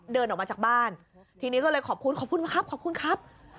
เดินออกมาจากบ้านทีนี้ก็เลยขอบคุณขอบคุณมากครับขอบคุณครับ